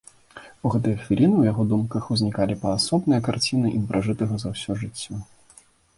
У гэтыя хвіліны ў яго думках узнікалі паасобныя карціны ім пражытага за ўсё жыццё.